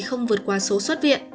không vượt qua số xuất viện